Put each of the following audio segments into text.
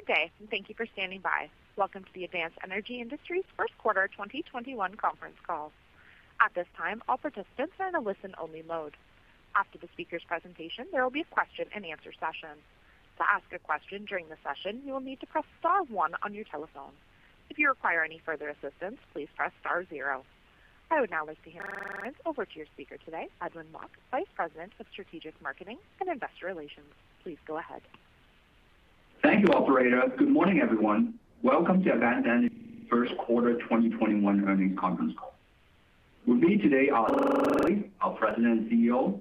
Good day, and thank you for standing by. Welcome to the Advanced Energy Industries first quarter 2021 conference call. At this time, all participants are in a listen-only mode. After the speaker's presentation, there will be a question and answer session. To ask a question during the session, you will need to press star one on your telephone. If you require any further assistance, please press star zero. I would now like to hand the conference over to your speaker today, Edwin Mok, Vice President of Strategic Marketing and Investor Relations. Please go ahead. Thank you, operator. Good morning, everyone. Welcome to Advanced Energy first quarter 2021 earnings conference call. With me today are Steve Kelley, our President and CEO,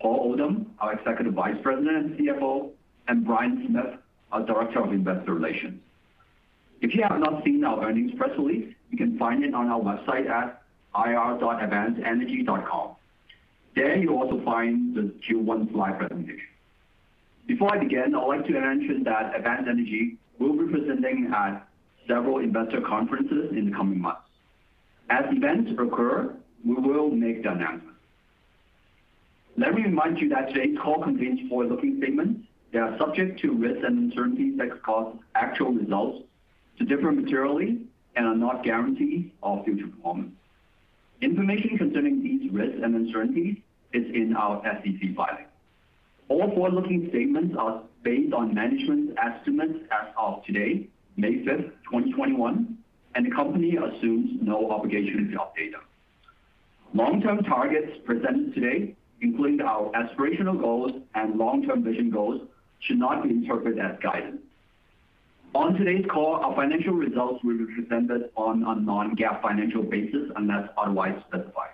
Paul Oldham, our Executive Vice President and CFO, and Brian Smith, our Director of Investor Relations. If you have not seen our earnings press release, you can find it on our website at ir.advancedenergy.com. There you'll also find the Q1 slide presentation. Before I begin, I would like to mention that Advanced Energy will be presenting at several investor conferences in the coming months. As events occur, we will make the announcement. Let me remind you that today's call contains forward-looking statements that are subject to risks and uncertainties that could cause actual results to differ materially and are not guarantees of future performance. Information concerning these risks and uncertainties is in our SEC filing. All forward-looking statements are based on management estimates as of today, May 5th, 2021, and the company assumes no obligation to update them. Long-term targets presented today, including our aspirational goals and long-term vision goals, should not be interpreted as guidance. On today's call, our financial results will be presented on a non-GAAP financial basis, unless otherwise specified.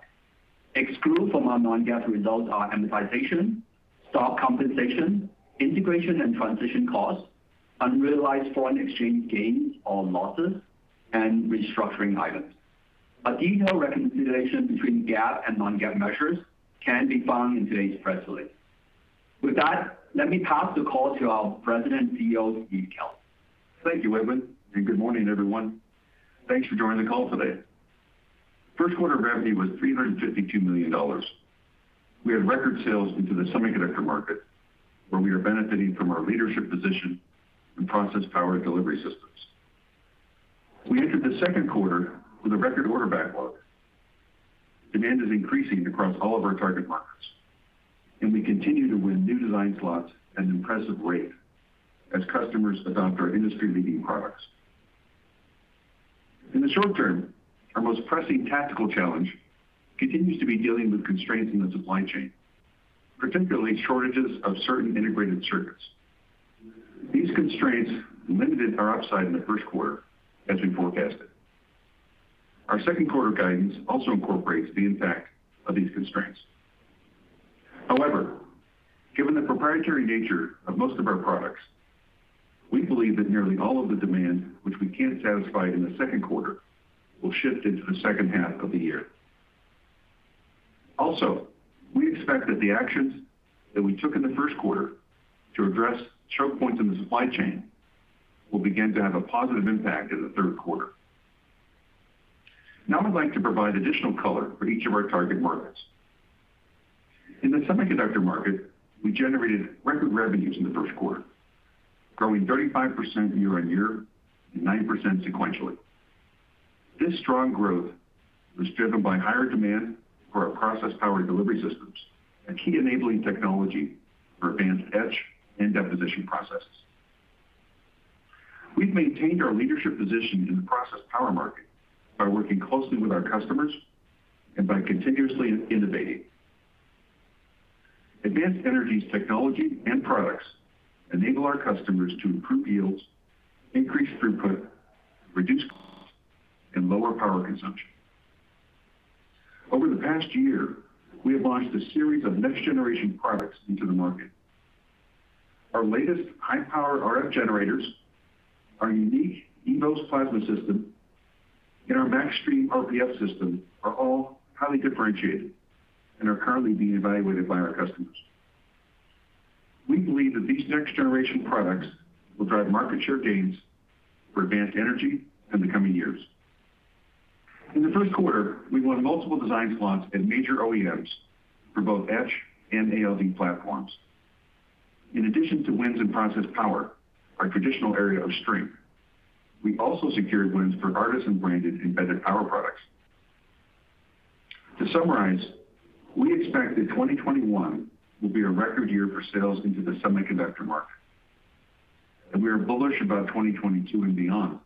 Excluded from our non-GAAP results are amortization, stock compensation, integration and transition costs, unrealized foreign exchange gains or losses, and restructuring items. A detailed reconciliation between GAAP and non-GAAP measures can be found in today's press release. With that, let me pass the call to our President and CEO, Steve Kelley. Thank you, Edwin, and good morning, everyone. Thanks for joining the call today. First quarter revenue was $352 million. We had record sales into the semiconductor market, where we are benefiting from our leadership position in process power delivery systems. We entered the second quarter with a record order backlog. Demand is increasing across all of our target markets, and we continue to win new design slots at an impressive rate as customers adopt our industry-leading products. In the short term, our most pressing tactical challenge continues to be dealing with constraints in the supply chain, particularly shortages of certain integrated circuits. These constraints limited our upside in the first quarter as we forecasted. Our second quarter guidance also incorporates the impact of these constraints. However, given the proprietary nature of most of our products, we believe that nearly all of the demand which we can't satisfy in the second quarter will shift into the second half of the year. We expect that the actions that we took in the first quarter to address choke points in the supply chain will begin to have a positive impact in the third quarter. I'd like to provide additional color for each of our target markets. In the semiconductor market, we generated record revenues in the first quarter, growing 35% year-on-year and 9% sequentially. This strong growth was driven by higher demand for our process power delivery systems, a key enabling technology for advanced etch and deposition processes. We've maintained our leadership position in the process power market by working closely with our customers and by continuously innovating. Advanced Energy's technology and products enable our customers to improve yields, increase throughput, reduce costs, and lower power consumption. Over the past year, we have launched a series of next generation products into the market. Our latest high-power RF generators, our unique eVoS plasma system, and our MAXstream RPS system are all highly differentiated and are currently being evaluated by our customers. We believe that these next generation products will drive market share gains for Advanced Energy in the coming years. In the first quarter, we won multiple design slots at major OEMs for both etch and ALD platforms. In addition to wins in process power, our traditional area of strength, we also secured wins for Artesyn-branded embedded power products. To summarize, we expect that 2021 will be a record year for sales into the semiconductor market, and we are bullish about 2022 and beyond,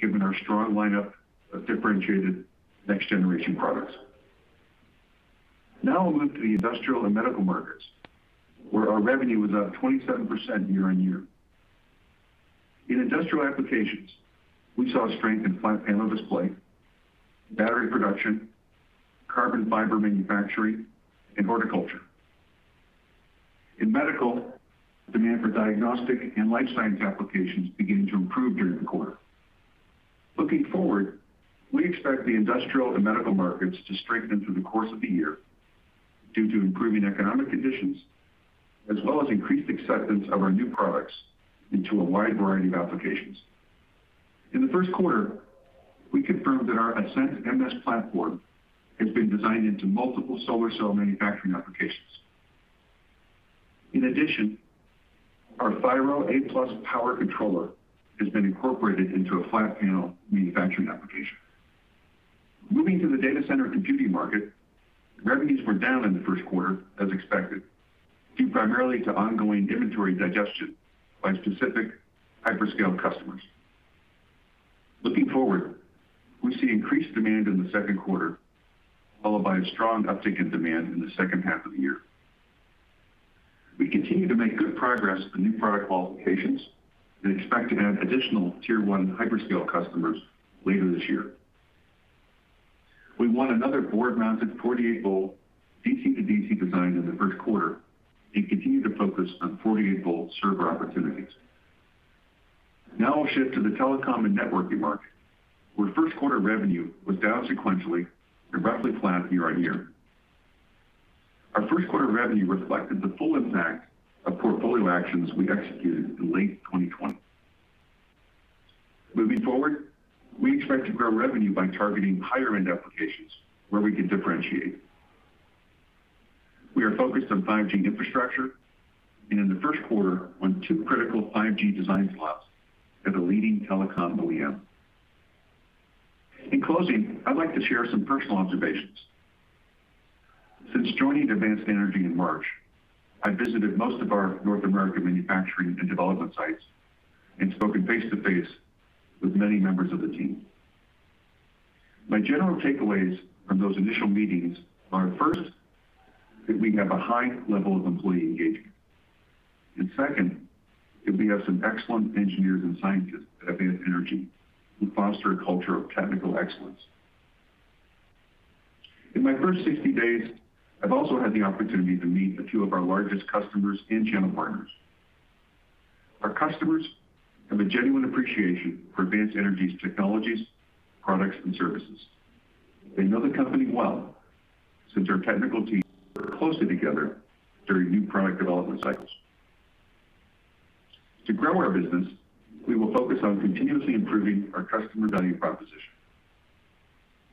given our strong lineup of differentiated next generation products. I'll move to the industrial and medical markets, where our revenue was up 27% year-on-year. In industrial applications, we saw strength in flat panel display, battery production, carbon fiber manufacturing, and horticulture. In medical, demand for diagnostic and life science applications began to improve during the quarter. Looking forward, we expect the industrial and medical markets to strengthen through the course of the year due to improving economic conditions, as well as increased acceptance of our new products into a wide variety of applications. In the first quarter, we confirmed that our Ascent MS platform has been designed into multiple solar cell manufacturing applications. In addition, our Thyro-A+ power controller has been incorporated into a flat panel manufacturing application. Moving to the data center computing market, revenues were down in the first quarter as expected, due primarily to ongoing inventory digestion by specific hyperscale customers. Looking forward, we see increased demand in the second quarter, followed by a strong uptick in demand in the second half of the year. We continue to make good progress on new product qualifications and expect to add additional tier 1 hyperscale customers later this year. We won another board-mounted 48-volt DC-to-DC design in the first quarter and continue to focus on 48-volt server opportunities. I'll shift to the telecom and networking market, where first quarter revenue was down sequentially and roughly flat year-on-year. Our first quarter revenue reflected the full impact of portfolio actions we executed in late 2020. Moving forward, we expect to grow revenue by targeting higher-end applications where we can differentiate. We are focused on 5G infrastructure and in the first quarter, won two critical 5G design slots at a leading telecom OEM. In closing, I'd like to share some personal observations. Since joining Advanced Energy in March, I visited most of our North American manufacturing and development sites and spoken face-to-face with many members of the team. My general takeaways from those initial meetings are, first, that we have a high level of employee engagement. Second, that we have some excellent engineers and scientists at Advanced Energy who foster a culture of technical excellence. In my first 60 days, I've also had the opportunity to meet with two of our largest customers and channel partners. Our customers have a genuine appreciation for Advanced Energy's technologies, products, and services. They know the company well since our technical teams work closely together during new product development cycles. To grow our business, we will focus on continuously improving our customer value proposition.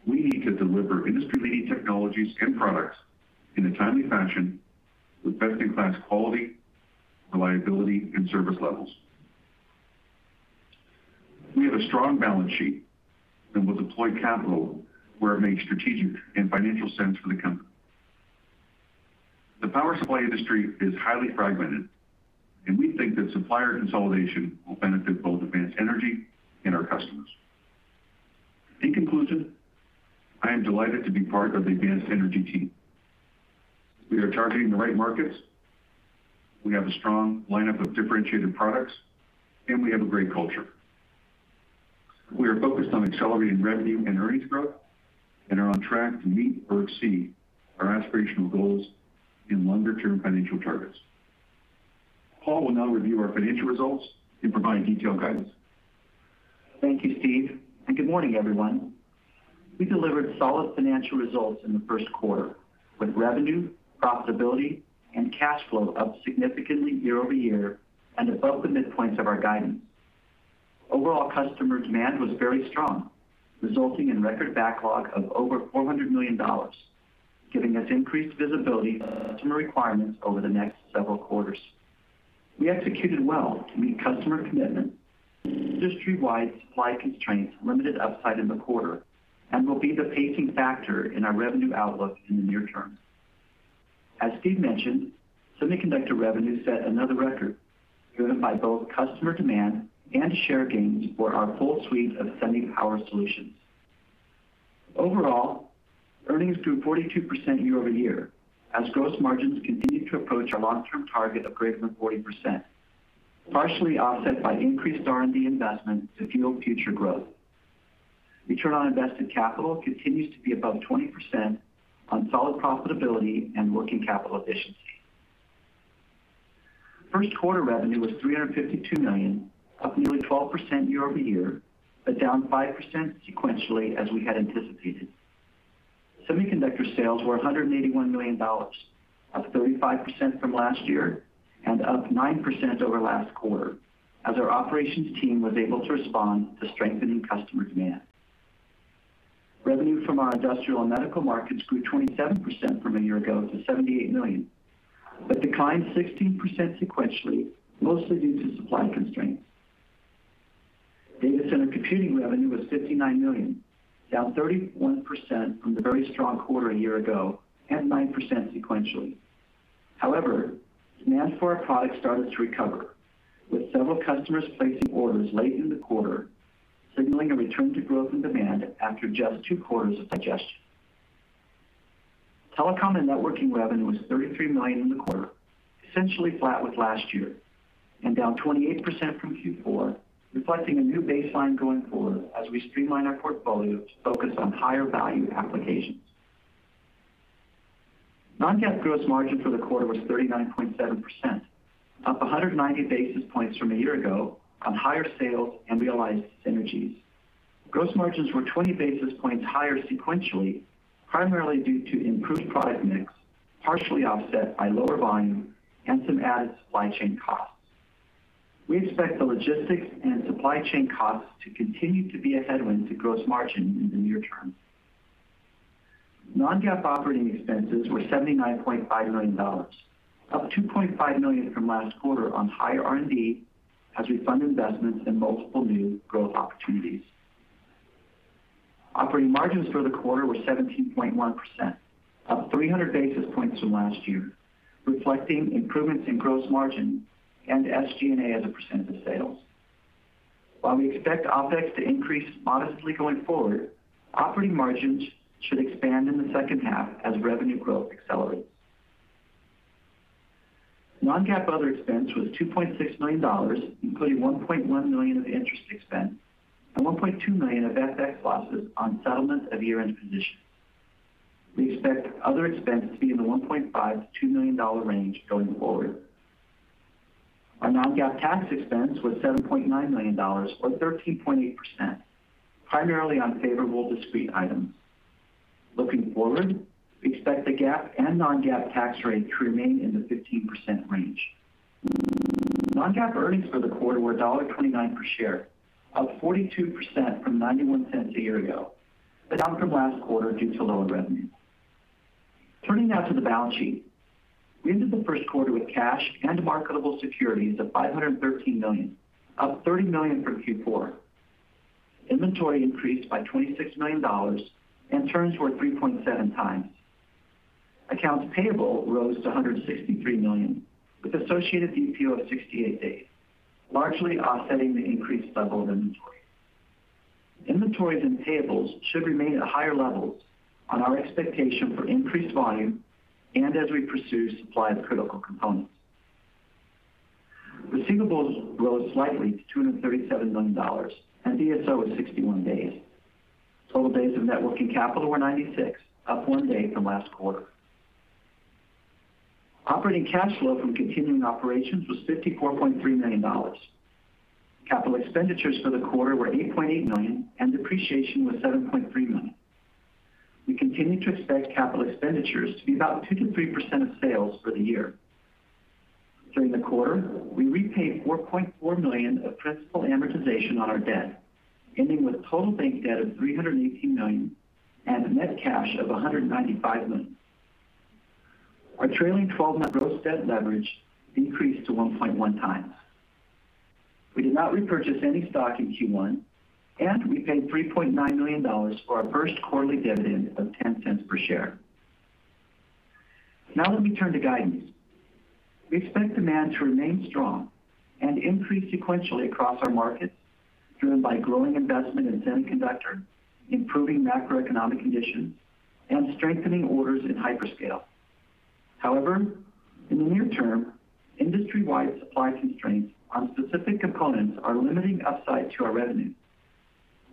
We need to deliver industry-leading technologies and products in a timely fashion with best-in-class quality, reliability, and service levels. We have a strong balance sheet and will deploy capital where it makes strategic and financial sense for the company. The power supply industry is highly fragmented, and we think that supplier consolidation will benefit both Advanced Energy and our customers. In conclusion, I am delighted to be part of the Advanced Energy team. We are targeting the right markets, we have a strong lineup of differentiated products, and we have a great culture. We are focused on accelerating revenue and earnings growth and are on track to meet or exceed our aspirational goals and longer-term financial targets. Paul will now review our financial results and provide detailed guidance. Thank you, Steve. Good morning, everyone. We delivered solid financial results in the first quarter, with revenue, profitability, and cash flow up significantly year-over-year and above the midpoints of our guidance. Overall customer demand was very strong, resulting in record backlog of over $400 million, giving us increased visibility to customer requirements over the next several quarters. We executed well to meet customer commitment. Industry-wide supply constraints limited upside in the quarter and will be the pacing factor in our revenue outlook in the near term. As Steve mentioned, semiconductor revenue set another record, driven by both customer demand and share gains for our full suite of semi power solutions. Overall, earnings grew 42% year-over-year, as gross margins continue to approach our long-term target of greater than 40%, partially offset by increased R&D investment to fuel future growth. Return on invested capital continues to be above 20% on solid profitability and working capital efficiency. First quarter revenue was $352 million, up nearly 12% year-over-year, but down 5% sequentially as we had anticipated. Semiconductor sales were $181 million, up 35% from last year and up 9% over last quarter as our operations team was able to respond to strengthening customer demand. Revenue from our industrial and medical markets grew 27% from a year ago to $78 million, but declined 16% sequentially, mostly due to supply constraints. Data center computing revenue was $59 million, down 31% from the very strong quarter a year ago and 9% sequentially. However, demand for our product started to recover, with several customers placing orders late in the quarter, signaling a return to growth and demand after just two quarters of digestion. Telecom and networking revenue was $33 million in the quarter, essentially flat with last year and down 28% from Q4, reflecting a new baseline going forward as we streamline our portfolio to focus on higher-value applications. Non-GAAP gross margin for the quarter was 39.7%, up 190 basis points from a year ago on higher sales and realized synergies. Gross margins were 20 basis points higher sequentially, primarily due to improved product mix, partially offset by lower volume and some added supply chain costs. We expect the logistics and supply chain costs to continue to be a headwind to gross margin in the near term. Non-GAAP operating expenses were $79.5 million, up $2.5 million from last quarter on higher R&D as we fund investments in multiple new growth opportunities. Operating margins for the quarter were 17.1%, up 300 basis points from last year, reflecting improvements in gross margin and SG&A as a percent of sales. While we expect OpEx to increase modestly going forward, operating margins should expand in the second half as revenue growth accelerates. Non-GAAP other expense was $2.6 million, including $1.1 million of interest expense and $1.2 million of FX losses on settlement of year-end position. We expect other expense to be in the $1.5 million-$2 million range going forward. Our non-GAAP tax expense was $7.9 million or 13.8%, primarily on favorable discrete items. Looking forward, we expect the GAAP and non-GAAP tax rate to remain in the 15% range. Non-GAAP earnings for the quarter were $1.29 per share, up 42% from $0.91 a year ago, but down from last quarter due to lower revenue. Turning now to the balance sheet. We ended the first quarter with cash and marketable securities of $513 million, up $30 million from Q4. Inventory increased by $26 million and turns were 3.7 times. Accounts payable rose to $163 million with associated DPO of 68 days, largely offsetting the increased level of inventory. Inventories and payables should remain at higher levels on our expectation for increased volume and as we pursue supply of critical components. Receivables rose slightly to $237 million, DSO was 61 days. Total days of net working capital were 96, up one day from last quarter. Operating cash flow from continuing operations was $54.3 million. Capital expenditures for the quarter were $8.8 million, depreciation was $7.3 million. We continue to expect capital expenditures to be about 2%-3% of sales for the year. During the quarter, we repaid $4.4 million of principal amortization on our debt, ending with a total bank debt of $318 million and a net cash of $195 million. Our trailing 12 net gross debt leverage increased to 1.1 times. We did not repurchase any stock in Q1, and we paid $3.9 million for our first quarterly dividend of $0.10 per share. Now let me turn to guidance. We expect demand to remain strong and increase sequentially across our markets, driven by growing investment in semiconductor, improving macroeconomic conditions, and strengthening orders in hyperscale. However, in the near term, industry-wide supply constraints on specific components are limiting upside to our revenue.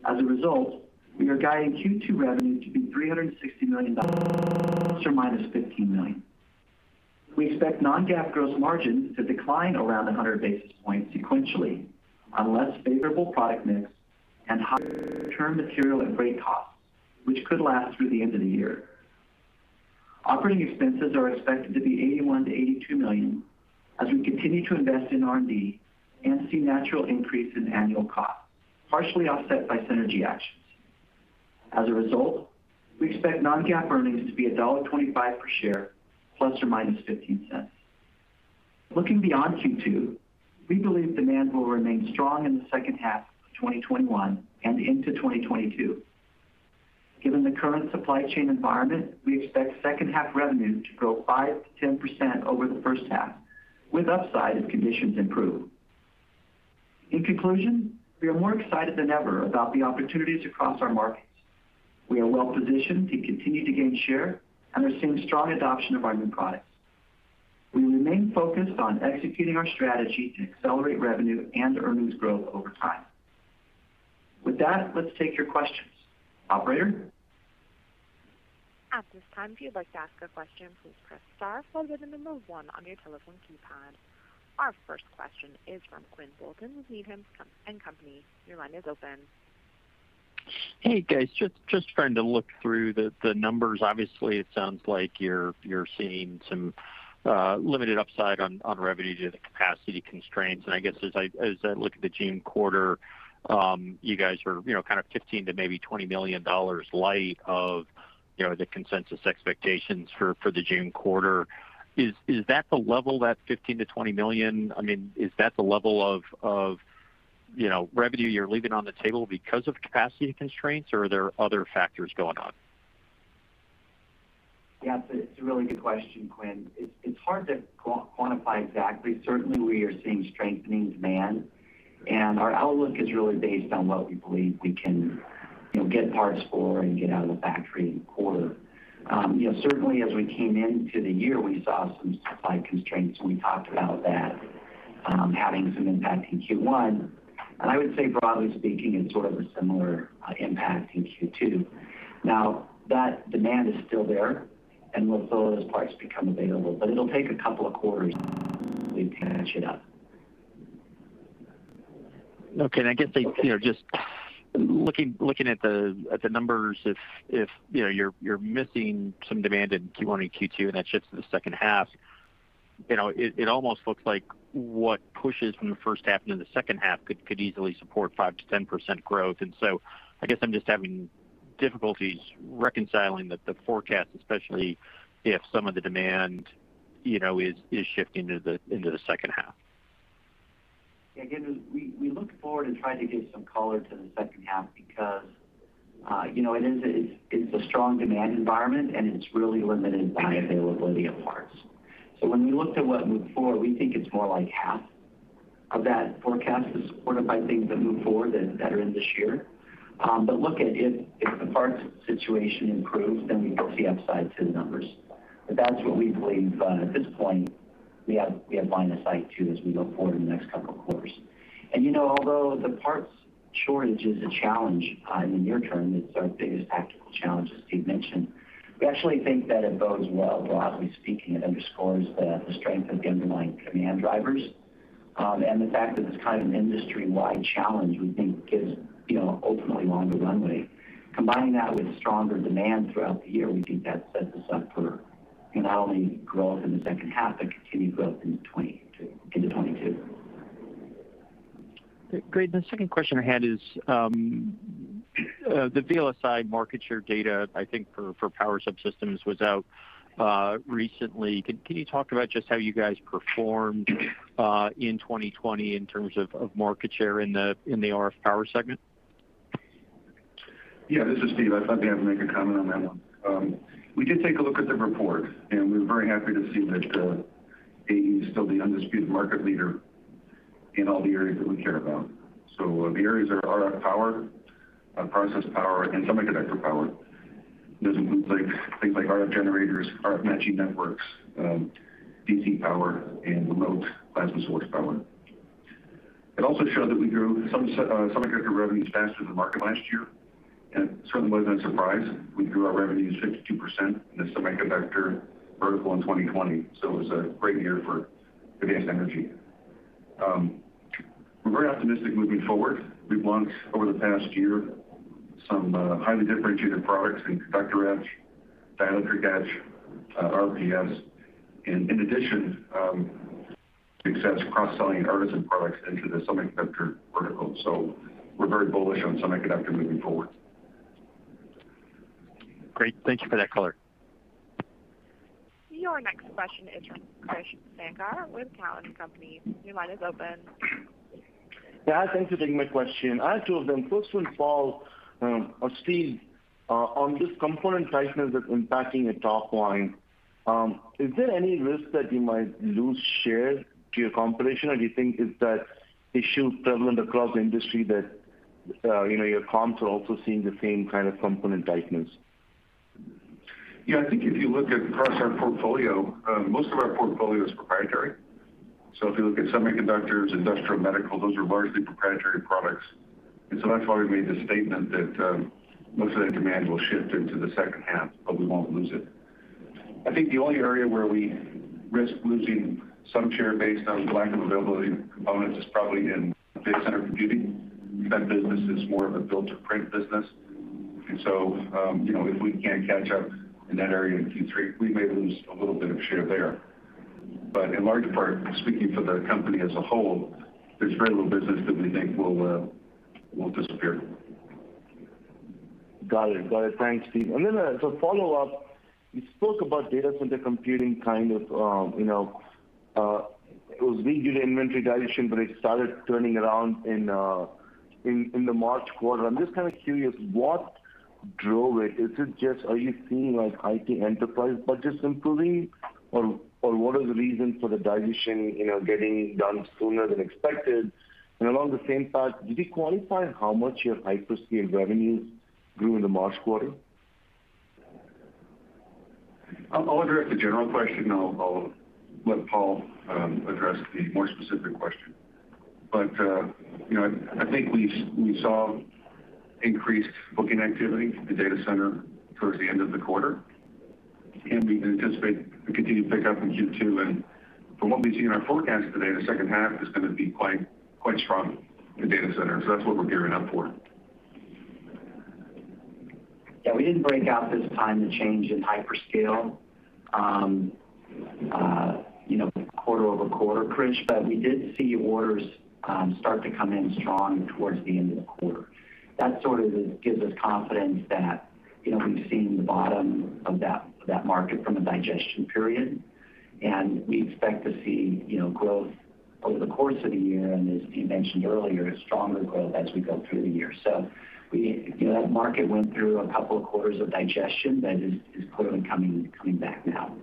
As a result, we are guiding Q2 revenue to be $360 million ±$15 million. We expect non-GAAP gross margin to decline around 100 basis points sequentially on less favorable product mix and higher term material and freight costs, which could last through the end of the year. Operating expenses are expected to be $81 million-$82 million as we continue to invest in R&D and see natural increase in annual costs, partially offset by synergy actions. We expect non-GAAP earnings to be $1.25 per share, ±$0.15. Looking beyond Q2, we believe demand will remain strong in the second half of 2021 and into 2022. Given the current supply chain environment, we expect second half revenue to grow 5%-10% over the first half, with upside if conditions improve. We are more excited than ever about the opportunities across our markets. We are well positioned to continue to gain share and are seeing strong adoption of our new products. We remain focused on executing our strategy to accelerate revenue and earnings growth over time. With that, let's take your questions. Operator? Our first question is from Quinn Bolton with Needham & Company. Your line is open. Hey guys, just trying to look through the numbers. Obviously, it sounds like you're seeing some limited upside on revenue due to capacity constraints. I guess as I look at the June quarter, you guys are kind of $15 million to maybe $20 million light of the consensus expectations for the June quarter. Is that the level, that $15 million-$20 million, is that the level of revenue you're leaving on the table because of capacity constraints, or are there other factors going on? Yeah, it's a really good question, Quinn. It's hard to quantify exactly. Certainly, we are seeing strengthening demand. Our outlook is really based on what we believe we can get parts for and get out of the factory in the quarter. Certainly, as we came into the year, we saw some supply constraints. We talked about that having some impact in Q1. I would say broadly speaking, it's sort of a similar impact in Q2. That demand is still there and will fill as parts become available, but it'll take a couple of quarters. We can match it up. Okay, I guess just looking at the numbers, if you're missing some demand in Q1 and Q2, and that shifts to the second half, it almost looks like what pushes from the first half into the second half could easily support 5%-10% growth. I guess I'm just having difficulties reconciling the forecast, especially if some of the demand is shifting into the second half. Again, we look forward and try to give some color to the second half because it's a strong demand environment, and it's really limited by availability of parts. When we looked at what moved forward, we think it's more like half of that forecast is supported by things that move forward that are in this year. Look, if the parts situation improves, then we could see upside to the numbers. That's what we believe at this point, we have line of sight to as we go forward in the next couple of quarters. Although the parts shortage is a challenge, in near-term, it's our biggest tactical challenge, as Steve mentioned. We actually think that it bodes well, broadly speaking. It underscores the strength of the underlying demand drivers. The fact that it's an industry-wide challenge, we think gives ultimately longer runway. Combining that with stronger demand throughout the year, we think that sets us up for not only growth in the second half, but continued growth into 2022. Great. The second question I had is, the VLSIresearch market share data, I think for power subsystems, was out recently. Can you talk about just how you guys performed in 2020 in terms of market share in the RF power segment? Yeah. This is Steve. I'd be happy to make a comment on that one. We did take a look at the report. We were very happy to see that AE is still the undisputed market leader in all the areas that we care about. The areas are RF power, process power, and semiconductor power. Those include things like RF generators, RF matching networks, DC power, and remote plasma source power. It also showed that we grew semiconductor revenues faster than the market last year. Certainly wasn't a surprise. We grew our revenues 52% in the semiconductor vertical in 2020. It was a great year for Advanced Energy. We're very optimistic moving forward. We've launched, over the past year, some highly differentiated products in conductor etch, dielectric etch, RPS, and in addition, success cross-selling Artesyn products into the semiconductor vertical. We're very bullish on semiconductor moving forward. Great. Thank you for that color. Your next question is from Krish Sankar with Cowen and Company. Your line is open. Yeah. Thanks for taking my question. I have two of them. First one, Paul or Steve, on this component tightness that's impacting the top line, is there any risk that you might lose share to your competition, or do you think is that issue prevalent across the industry that your comps are also seeing the same kind of component tightness? I think if you look across our portfolio, most of our portfolio is proprietary. If you look at semiconductors, industrial, medical, those are largely proprietary products. That's why we made the statement that most of that demand will shift into the second half, but we won't lose it. I think the only area where we risk losing some share based on lack of availability of components is probably in data center computing. That business is more of a build-to-print business. If we can't catch up in that area in Q3, we may lose a little bit of share there. In large part, speaking for the company as a whole, there's very little business that we think will disappear. Got it. Thanks, Steve. As a follow-up, you spoke about data center computing, it was leading the inventory digestion, but it started turning around in the March quarter. I'm just kind of curious, what drove it? Is it just are you seeing IT enterprise budgets improving, or what are the reasons for the digestion getting done sooner than expected? Along the same path, did you quantify how much your hyperscale revenues grew in the March quarter? I'll address the general question, I'll let Paul address the more specific question. I think we saw increased booking activity for the data center towards the end of the quarter, and we anticipate a continued pickup in Q2. From what we see in our forecast today, the second half is going to be quite strong in data center. That's what we're gearing up for. We didn't break out this time the change in hyperscale quarter-over-quarter, Krish. We did see orders start to come in strong towards the end of the quarter. That sort of gives us confidence that we've seen the bottom of that market from a digestion period. We expect to see growth over the course of the year, and as Steve mentioned earlier, stronger growth as we go through the year. That market went through a couple of quarters of digestion that is clearly coming back now.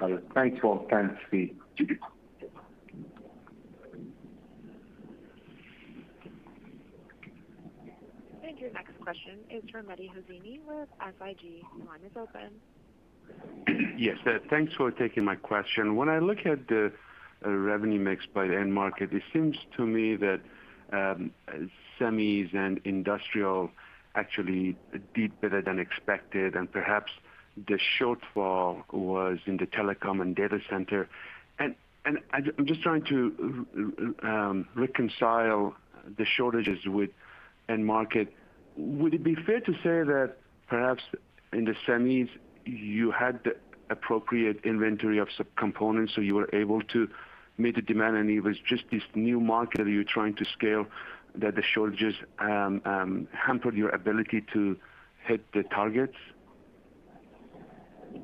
Got it. Thanks, Paul. Thanks, Steve. Your next question is from Mehdi Hosseini with SIG. Your line is open. Yes. Thanks for taking my question. When I look at the AE revenue mix by the end market. It seems to me that semis and industrial actually did better than expected, and perhaps the shortfall was in the telecom and data center. I'm just trying to reconcile the shortages with end market. Would it be fair to say that perhaps in the semis, you had the appropriate inventory of sub-components, so you were able to meet the demand, and it was just this new market that you're trying to scale, that the shortages hampered your ability to hit the targets?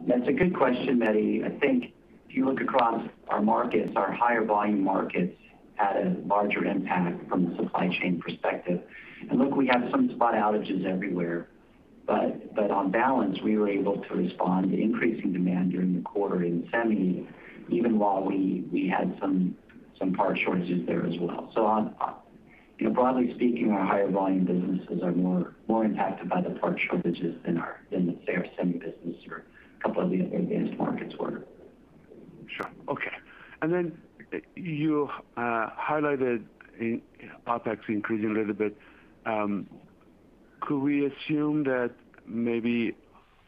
That's a good question, Mehdi. I think if you look across our markets, our higher volume markets had a larger impact from the supply chain perspective. Look, we have some spot outages everywhere, but on balance, we were able to respond to increasing demand during the quarter in semi, even while we had some part shortages there as well. Broadly speaking, our higher volume businesses are more impacted by the part shortages than the fair semi business or a couple of the advanced markets were. Sure. Okay. You highlighted OpEx increasing a little bit. Could we assume that maybe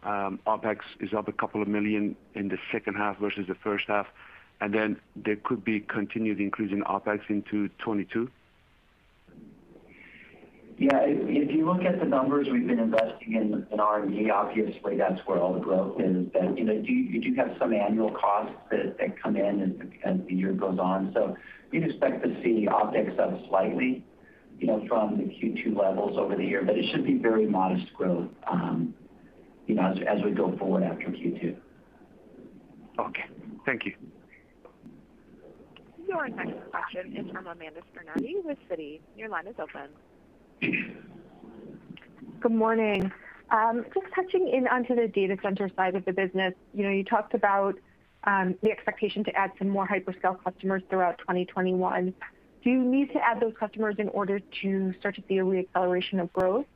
OpEx is up a couple of million USD in the second half versus the first half, and then there could be continued increase in OpEx into 2022? Yeah. If you look at the numbers we've been investing in R&D, obviously that's where all the growth is. You do have some annual costs that come in as the year goes on. We'd expect to see OpEx up slightly, from the Q2 levels over the year. It should be very modest growth, as we go forward after Q2. Okay. Thank you. Your next question is from Amanda Scarnati with Citi. Your line is open. Good morning. Just touching in onto the data center side of the business. You talked about the expectation to add some more hyperscale customers throughout 2021. Do you need to add those customers in order to start to see a re-acceleration of growth?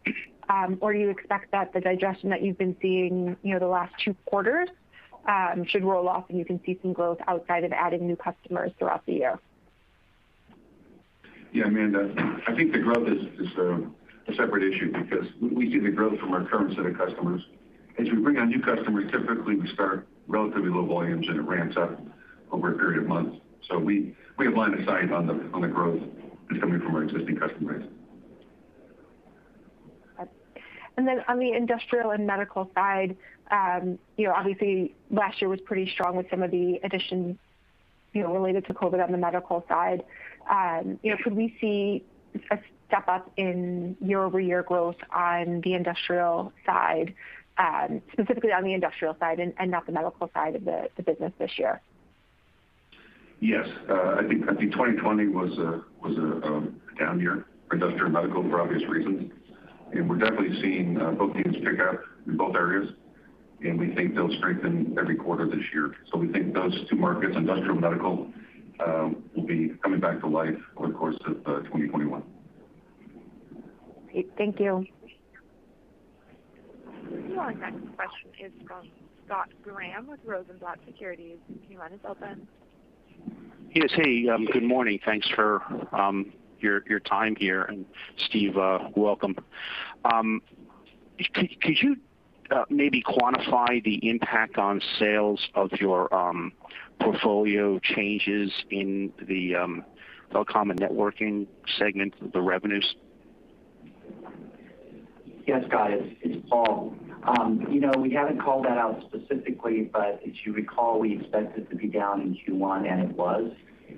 You expect that the digestion that you've been seeing, the last two quarters should roll off, and you can see some growth outside of adding new customers throughout the year? Amanda, I think the growth is a separate issue because we see the growth from our current set of customers. As we bring on new customers, typically, we start relatively low volumes, and it ramps up over a period of months. We have line of sight on the growth that's coming from our existing customer base. On the industrial and medical side, obviously, last year was pretty strong with some of the additions, related to COVID on the medical side. Could we see a step-up in year-over-year growth on the industrial side, specifically on the industrial side and not the medical side of the business this year? Yes. I think 2020 was a down year for industrial and medical for obvious reasons. We're definitely seeing bookings pick up in both areas, and we think they'll strengthen every quarter this year. We think those two markets, industrial and medical, will be coming back to life over the course of 2021. Great. Thank you. Your next question is from Scott Graham with Rosenblatt Securities. Your line is open. Yes. Hey, good morning. Thanks for your time here. Steve, welcome. Could you maybe quantify the impact on sales of your portfolio changes in the telecom and networking segment, the revenues? Yes, Scott, it's Paul. We haven't called that out specifically, but as you recall, we expect it to be down in Q1, and it was.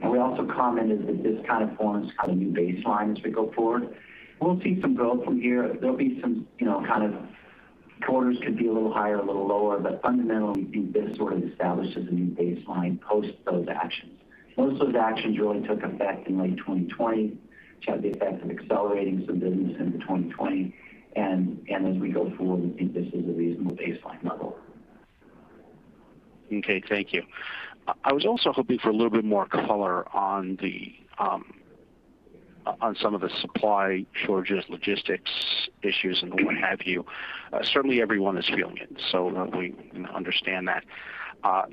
We also commented that this kind of forms a new baseline as we go forward. We'll see some growth from here. There'll be some quarters could be a little higher, a little lower, but fundamentally, we think this sort of establishes a new baseline post those actions. Most of those actions really took effect in late 2020, which had the effect of accelerating some business into 2020. As we go forward, we think this is a reasonable baseline level. Okay. Thank you. I was also hoping for a little bit more color on some of the supply shortages, logistics issues, and what have you. Certainly, everyone is feeling it, we understand that.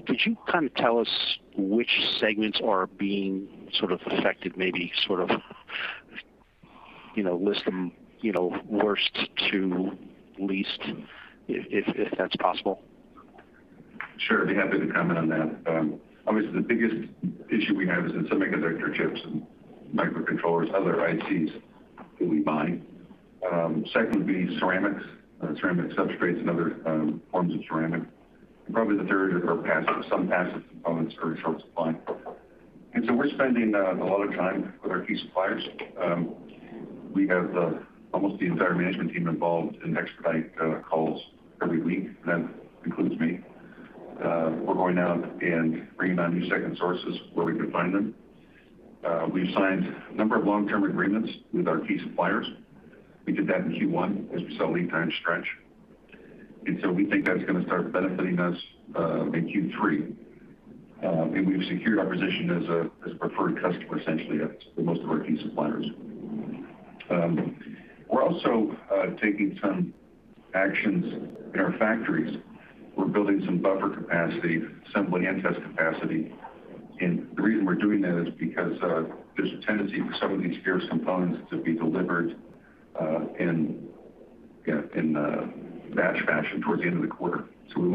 Could you tell us which segments are being affected, maybe list them worst to least if that's possible? Sure. Be happy to comment on that. Obviously, the biggest issue we have is in semiconductor chips and microcontrollers, other ICs that we buy. Second would be ceramics, ceramic substrates, and other forms of ceramic. Probably the third are passive. Some passive components are in short supply. We're spending a lot of time with our key suppliers. We have almost the entire management team involved in expedite calls every week. That includes me. We're going out and bringing on new second sources where we can find them. We've signed a number of long-term agreements with our key suppliers. We did that in Q1 as we saw lead time stretch. We think that's going to start benefiting us in Q3. We've secured our position as a preferred customer, essentially, at most of our key suppliers. We're also taking some actions in our factories. We're building some buffer capacity, assembly, and test capacity. The reason we're doing that is because there's a tendency for some of these gear components to be delivered in batch fashion towards the end of the quarter. We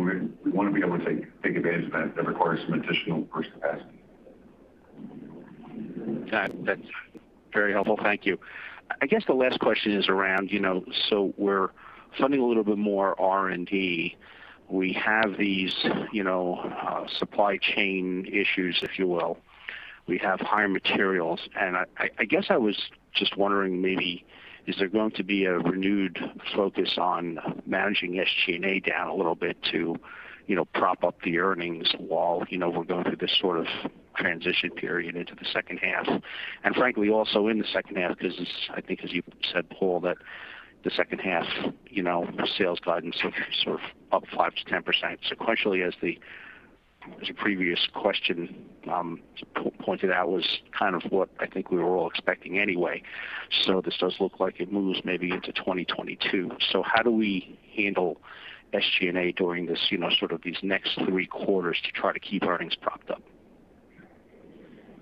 want to be able to take advantage of that. That requires some additional burst capacity. Got it. That's very helpful. Thank you. I guess the last question is around, so we're funding a little bit more R&D. We have these supply chain issues, if you will. We have higher materials, and I guess I was just wondering maybe, is there going to be a renewed focus on managing SG&A down a little bit to prop up the earnings while we're going through this sort of transition period into the second half? Frankly, also in the second half, because I think as you said, Paul, that the second half sales guidance is sort of up 5%-10% sequentially as the previous question pointed out was kind of what I think we were all expecting anyway. This does look like it moves maybe into 2022. How do we handle SG&A during this sort of these next three quarters to try to keep earnings propped up?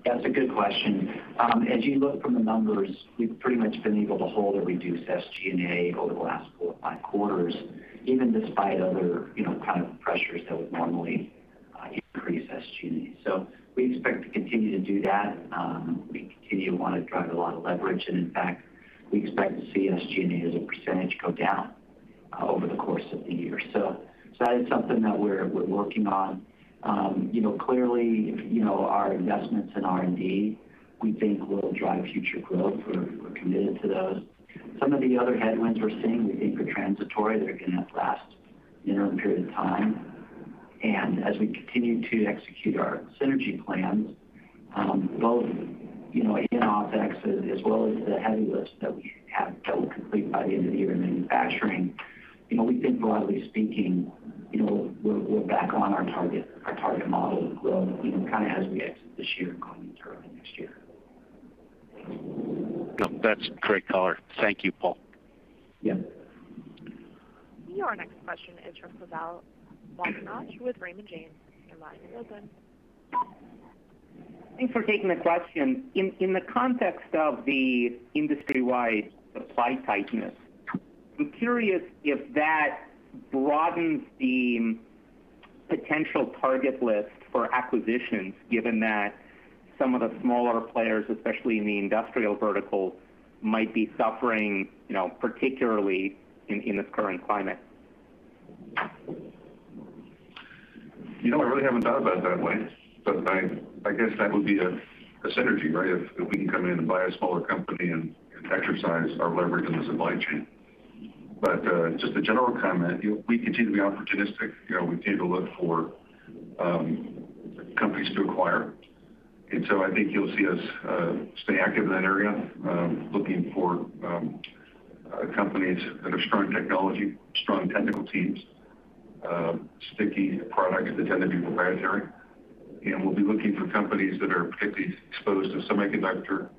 That's a good question. As you look from the numbers, we've pretty much been able to hold a reduced SG&A over the last four or five quarters, even despite other kind of pressures that would normally increase SG&A. We expect to continue to do that. We continue to want to drive a lot of leverage, and in fact, we expect to see SG&A as a percentage go down over the course of the year. That is something that we're working on. Clearly, our investments in R&D, we think will drive future growth. We're committed to those. Some of the other headwinds we're seeing we think are transitory. They're going to last a period of time. As we continue to execute our synergy plans, both in OpEx as well as the heavy lifts that we have that we'll complete by the end of the year in manufacturing. We think broadly speaking, we're back on our target model of growth, kind of as we exit this year and going into early next year. No, that's great color. Thank you, Paul. Yeah. Your next question is from Pavel Molchanov with Raymond James. Your line is open. Thanks for taking the question. In the context of the industry-wide supply tightness, I'm curious if that broadens the potential target list for acquisitions, given that some of the smaller players, especially in the industrial vertical, might be suffering particularly in this current climate. I really haven't thought about it that way, but I guess that would be a synergy, right? If we can come in and buy a smaller company and exercise our leverage in the supply chain. Just a general comment, we continue to be opportunistic. We continue to look for companies to acquire. I think you'll see us stay active in that area, looking for companies that have strong technology, strong technical teams, sticky products that tend to be proprietary. We'll be looking for companies that are particularly exposed to semiconductor,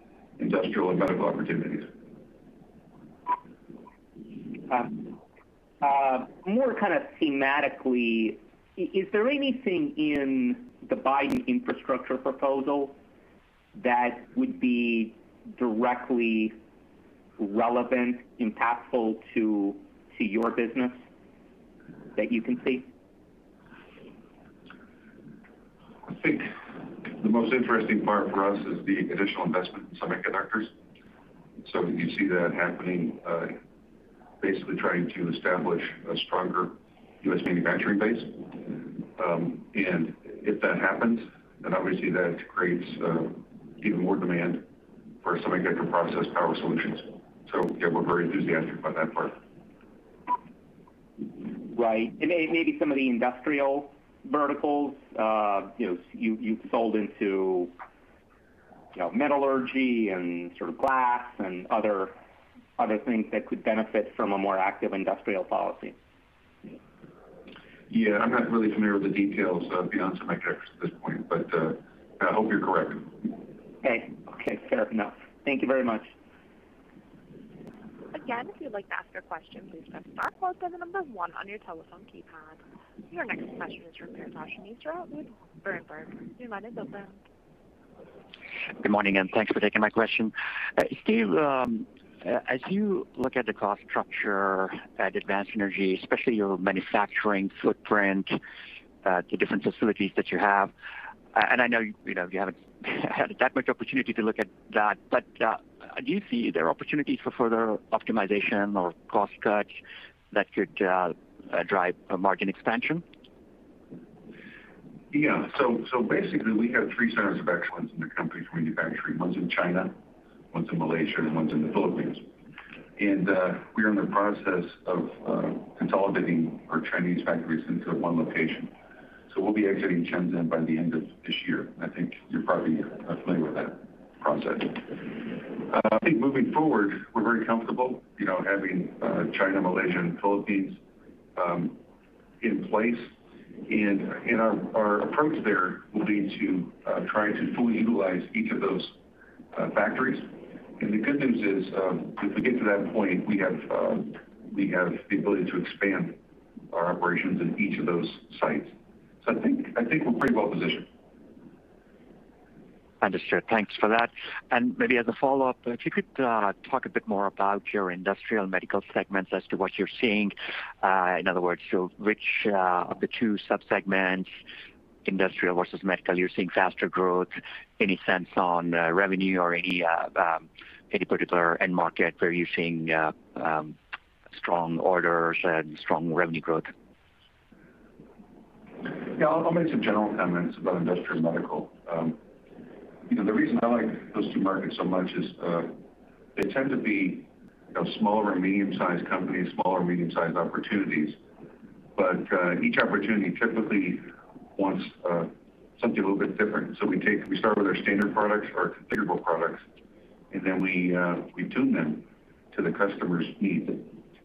industrial, and medical opportunities. More kind of thematically, is there anything in the Biden infrastructure proposal that would be directly relevant, impactful to your business that you can see? I think the most interesting part for us is the additional investment in semiconductors. You see that happening, basically trying to establish a stronger U.S. manufacturing base. If that happens, then obviously that creates even more demand for semiconductor process power solutions. Yeah, we're very enthusiastic about that part. Right. Maybe some of the industrial verticals you've sold into metallurgy and sort of glass and other things that could benefit from a more active industrial policy. Yeah, I'm not really familiar with the details beyond semiconductors at this point, but I hope you're correct. Okay. Fair enough. Thank you very much. Again, if you'd like to ask a question, please press star followed by the number one on your telephone keypad. Your next question is from Harsh Kumar with Bernstein. Your line is open. Good morning. Thanks for taking my question. Steve, as you look at the cost structure at Advanced Energy, especially your manufacturing footprint, the different facilities that you have, and I know you haven't had that much opportunity to look at that. Do you see there are opportunities for further optimization or cost cuts that could drive a margin expansion? Yeah. Basically, we have three centers of excellence in the company for manufacturing. One's in China, one's in Malaysia, and one's in the Philippines. We're in the process of consolidating our Chinese factories into one location. We'll be exiting Shenzhen by the end of this year. I think you're probably familiar with that process. I think moving forward, we're very comfortable having China, Malaysia, and Philippines in place, and our approach there will be to try to fully utilize each of those factories. The good news is, if we get to that point, we have the ability to expand our operations in each of those sites. I think we're pretty well-positioned. Understood. Thanks for that. Maybe as a follow-up, if you could talk a bit more about your industrial and medical segments as to what you're seeing. In other words, which of the two sub-segments, industrial versus medical, you're seeing faster growth? Any sense on revenue or any particular end market where you're seeing strong orders and strong revenue growth? I'll make some general comments about industrial and medical. The reason I like those two markets so much is they tend to be smaller and medium-sized companies, smaller and medium-sized opportunities. Each opportunity typically wants something a little bit different. We start with our standard products or our configurable products, and then we tune them to the customer's needs.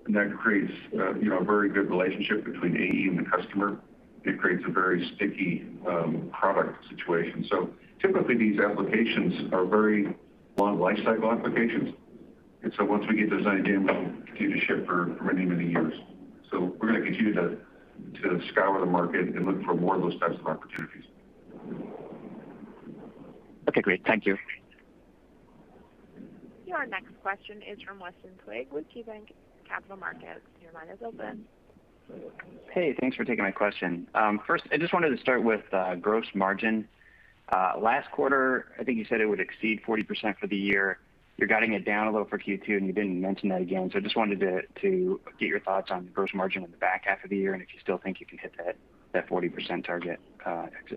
That creates a very good relationship between AE and the customer. It creates a very sticky product situation. Typically, these applications are very long lifecycle applications, once we get those identified, we'll continue to ship for many, many years. We're going to continue to scour the market and look for more of those types of opportunities. Okay, great. Thank you. Your next question is from Weston Twigg with KeyBanc Capital Markets. Your line is open. Hey, thanks for taking my question. First, I just wanted to start with gross margin. Last quarter, I think you said it would exceed 40% for the year. You're guiding it down a little for Q2, and you didn't mention that again. I just wanted to get your thoughts on the gross margin in the back half of the year, and if you still think you can hit that 40% target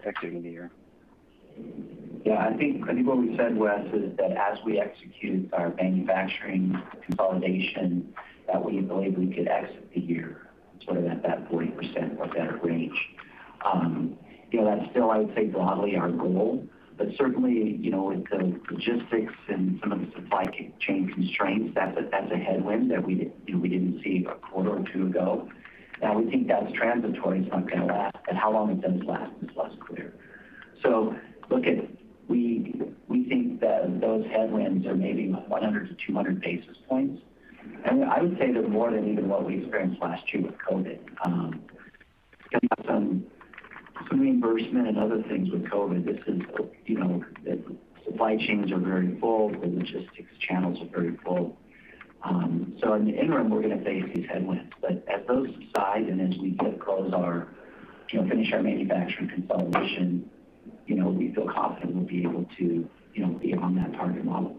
exiting the year. Yeah, I think what we said, Weston, is that as we execute our manufacturing consolidation, that we believe we could exit the year sort of at that 40% or better range. That's still, I would say, broadly our goal, but certainly, with the logistics and some of the supply chain constraints, that's a headwind that we didn't see a quarter or two ago. Now, we think that's transitory. It's not going to last, but how long it does last is less clear. We think that those headwinds are maybe 100-200 basis points, and I would say they're more than even what we experienced last year with COVID. Some reimbursement and other things with COVID, the supply chains are very full, the logistics channels are very full. In the interim, we're going to face these headwinds, but as those subside and as we finish our manufacturing consolidation, we feel confident we'll be able to be on that target model.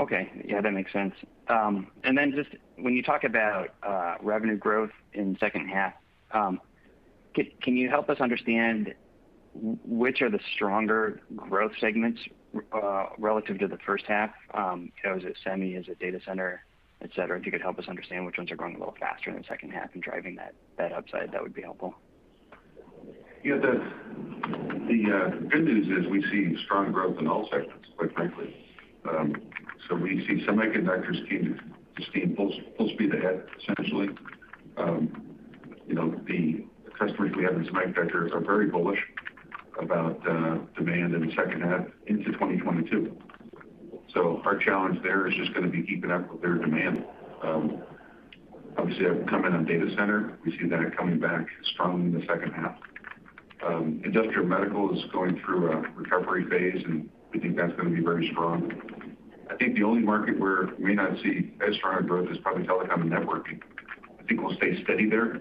Okay. Yeah, that makes sense. Then just when you talk about revenue growth in the second half, can you help us understand which are the stronger growth segments relative to the first half? Is it semi, is it data center, et cetera? If you could help us understand which ones are growing a little faster in the second half and driving that upside, that would be helpful. Yeah. The good news is we see strong growth in all sectors, quite frankly. We see semiconductors keep the steam full speed ahead, essentially. The customers we have in semiconductors are very bullish about demand in the second half into 2022. Our challenge there is just going to be keeping up with their demand. Obviously, I've commented on data center. We see that coming back strongly in the second half. Industrial and medical is going through a recovery phase, and we think that's going to be very strong. I think the only market where we may not see as strong of growth is probably telecom and networking. I think we'll stay steady there.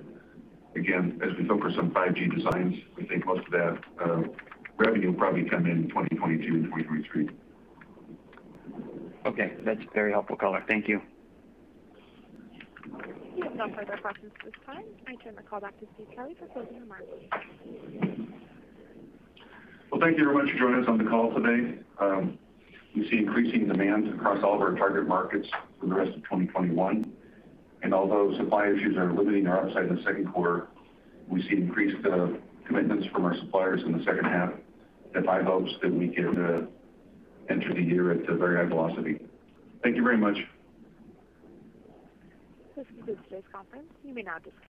Again, as we focus on 5G designs, we think most of that revenue will probably come in 2022 and 2023. Okay. That's very helpful, Color. Thank you. We have no further questions at this time. I turn the call back to Steve Kelley for closing remarks. Well, thank you very much for joining us on the call today. We see increasing demand across all of our target markets for the rest of 2021. Although supply issues are limiting our upside in the second quarter, we see increased commitments from our suppliers in the second half. My hope is that we get to enter the year at a very high velocity. Thank you very much. This concludes today's conference. You may now disconnect.